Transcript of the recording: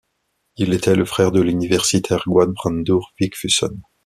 Il était le frère de l'universitaire Guðbrandur Vigfússon.